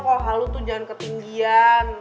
kalo hal lu tuh jangan ketinggian